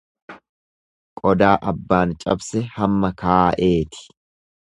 Qodaa abbaan cabse hamma kaa'eeti.